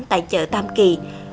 tại chợ tam kỳ